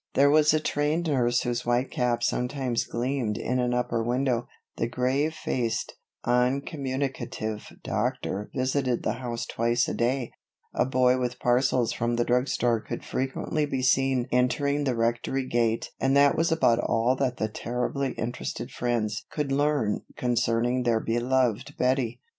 There was a trained nurse whose white cap sometimes gleamed in an upper window, the grave faced, uncommunicative doctor visited the house twice a day, a boy with parcels from the drug store could frequently be seen entering the Rectory gate and that was about all that the terribly interested friends could learn concerning their beloved Bettie.